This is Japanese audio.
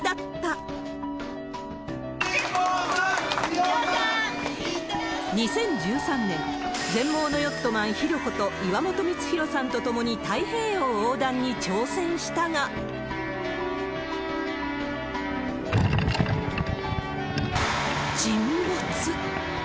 辛坊さん、ヒロさん、２０１３年、全盲のヨットマン、ヒロこと岩本光弘さんと共に太平洋横断に挑戦したが、沈没。